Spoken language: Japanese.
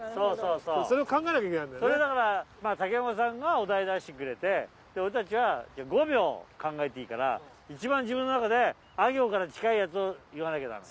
それをだから山さんがお題出してくれてたちはじゃあ５秒考えていいから番自分の中であ行から近いやつをわなきゃダメなの。